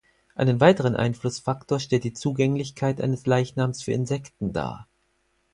Einen weiteren Einflussfaktor stellt die Zugänglichkeit eines Leichnams für Insekten dar.